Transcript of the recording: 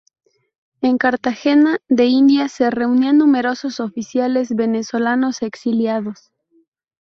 En Cartagena de Indias se reunían numerosos oficiales venezolanos exiliados.